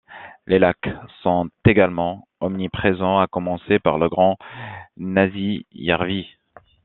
Les lacs sont également omniprésents, à commencer par le grand Näsijärvi.